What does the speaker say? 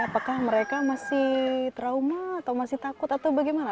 apakah mereka masih trauma atau masih takut atau bagaimana